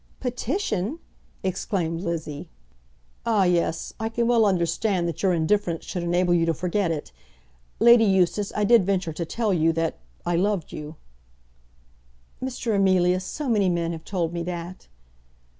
"Petition!" exclaimed Lizzie. "Ah yes; I can well understand that your indifference should enable you to forget it. Lady Eustace, I did venture to tell you that I loved you." "Mr. Emilius, so many men have told me that."